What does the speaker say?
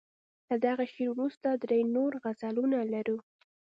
له دغه شعر وروسته درې نور غزلونه لرو.